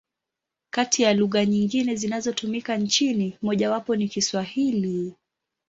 Kati ya lugha nyingine zinazotumika nchini, mojawapo ni Kiswahili.